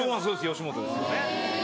吉本ですよね。